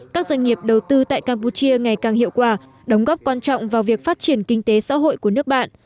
các doanh nghiệp đầu tư tại campuchia ngày càng hiệu quả đóng góp quan trọng vào việc phát triển kinh tế xã hội của nước bạn